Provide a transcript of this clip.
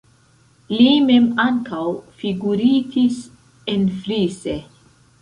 Li mem ankaŭ figuritis enfrise.